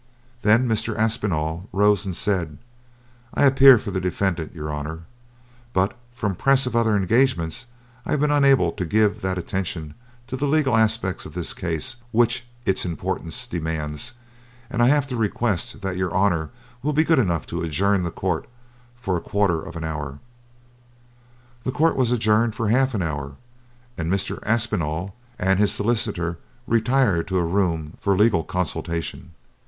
Then Mr. Aspinall rose and said: "I appear for the defendant, your Honour, but from press of other engagements I have been unable to give that attention to the legal aspects of this case which its importance demands, and I have to request that your Honour will be good enough to adjourn the court for a quarter of an hour." The court was adjourned for half an hour, and Mr. Aspinall and his solicitor retired to a room for a legal consultation.